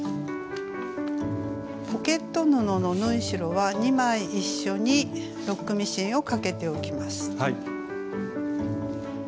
ポケット布の縫い代は２枚一緒にロックミシンをかけておきます。